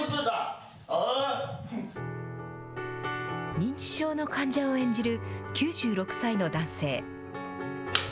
認知症の患者を演じる９６歳の男性。